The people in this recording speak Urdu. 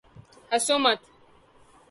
ہنسو مت